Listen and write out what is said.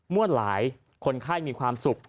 วัวหลายคนไข้มีความสุข